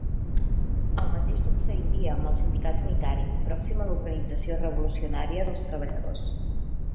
El mateix succeiria amb el Sindicat Unitari, pròxim a l'Organització Revolucionària dels Treballadors.